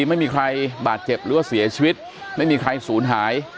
ไม่มีใครบาดเจ็บหรือว่าเสียชีวิตไม่มีใครศูนย์หาย